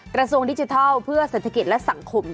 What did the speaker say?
กระทรวงดิจิทัลเพื่อเศรษฐกิจและสังคม